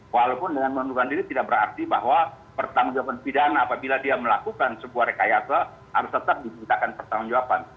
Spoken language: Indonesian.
walaupun dengan mengundurkan diri tidak berarti bahwa pertanggung jawaban pidana apabila dia melakukan sebuah rekayasa harus tetap diberitakan pertanggung jawaban